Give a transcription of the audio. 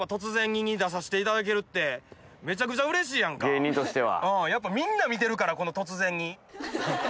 芸人としては。